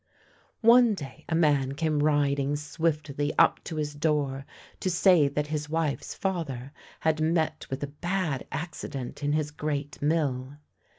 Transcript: One day a man came riding swiftly up to his door to say that his wife's father had met with a bad accident in his great mill.